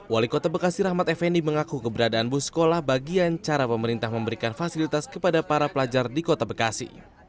wali kota bekasi rahmat effendi mengaku keberadaan bus sekolah bagian cara pemerintah memberikan fasilitas kepada para pelajar di kota bekasi